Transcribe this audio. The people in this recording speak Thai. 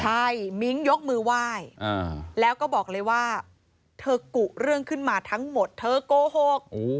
ใช่มิ้งยกมือไหว้แล้วก็บอกเลยว่าเธอกุเรื่องขึ้นมาทั้งหมดเธอโกหก